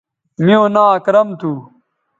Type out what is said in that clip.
میوں ناں اکرم تھو